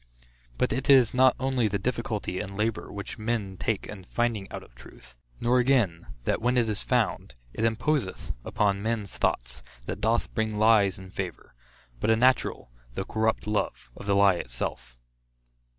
But it is not only the difficulty and labor, which men take in finding out of truth, nor again, that when it is found, it imposeth upon men's thoughts, that doth bring lies in favor; but a natural though corrupt love, of the lie itself.